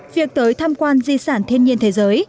việc tới tham quan di sản thiên nhiên thế giới